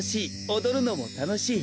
おどるのもたのしい。